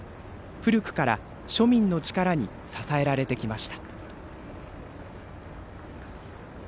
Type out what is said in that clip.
古くから庶民の力に支えられてきました。